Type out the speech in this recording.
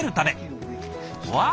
わあ！